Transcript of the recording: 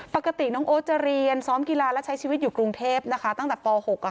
ปกติน้องโอ๊ตจะเรียนซ้อมกีฬาและใช้ชีวิตอยู่กรุงเทพนะคะตั้งแต่ป๖